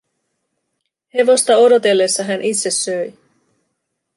Hevosta odotellessa hän itse söi.